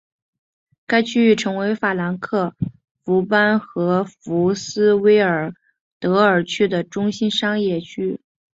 该区域成为法兰克福班荷福斯威尔德尔区的中心商业区。